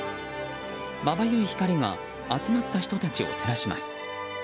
まばゆい光が集まった人たちを照らします。